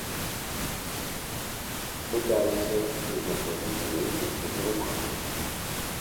Пыталіся, ці знаходзімся мы ў нейкіх рухах.